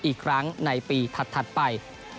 อีกครั้งในปีถัดไป